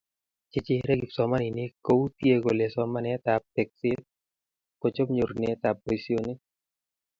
Che chere kipsomaninik koutie kole somanetab tekset kochob nyorunetab boisionik.